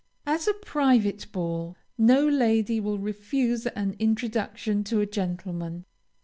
At a private ball, no lady will refuse an introduction to a gentleman.